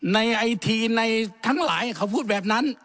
ในไอทีในทั้งหลายเขาพูดแบบนั้น